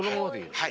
はい。